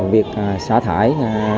việc xả thải